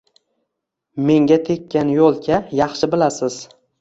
Menga tekkan yo’lka… Yaxshi bilasiz